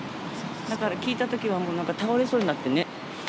だから聞いたときはもう、なんか倒れそうになってね。